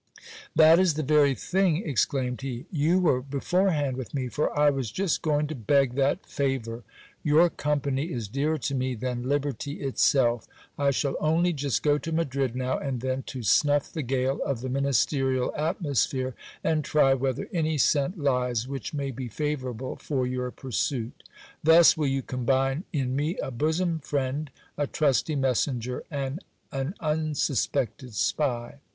That is the very thing, exclaimed he. You were beforehand with me, for I was just going to beg that favour. Your company is dearer to me than liberty itself I shall only just go to Madrid now and then, to snuff the gale of the ministerial atmosphere, and try whether any scent lies which may be favourable for your pursuit Thus will you combine in me a bosom friend, a trusty messenger, and an unsuspected spy.